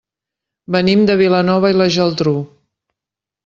Venim de Vilanova i la Geltrú.